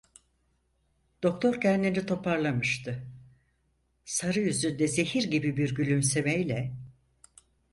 Doktor kendini toparlamıştı, sarı yüzünde zehir gibi bir gülümsemeyle: